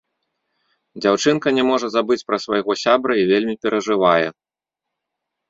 Дзяўчынка не можа забыць пра свайго сябра і вельмі перажывае.